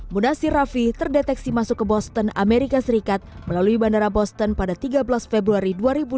munasir rafi terdeteksi masuk ke boston amerika serikat melalui bandara boston pada tiga belas februari dua ribu dua puluh